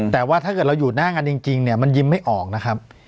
แต่ว่าถ้าเกิดเราอยู่หน้ากันจริงเนี่ยมันยิ้มไม่ออกนะครับ